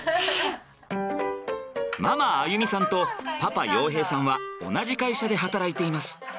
ママあゆ美さんとパパ陽平さんは同じ会社で働いています。